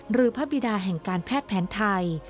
หรือพระบิดาแห่งการแพทย์แผนไทย